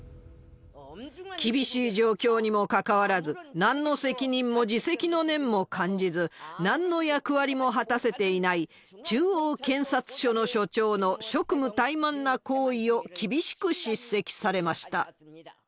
厳しい状況にもかかわらず、なんの責任も自責の念も感じず、なんの役割も果たせていない中央検察所の所長の職務怠慢な行為を厳しく叱責されました。